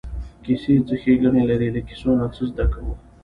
کیسې څه ښېګڼې لري له کیسو نه څه زده کوو.